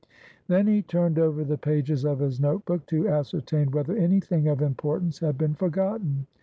Then he turned over the pages of his notebook to as certain whether anything of importance had been for gotten.